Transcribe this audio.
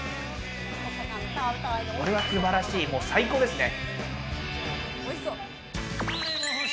これは素晴らしい、最高ですね。